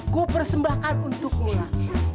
gue persembahkan untukmu lah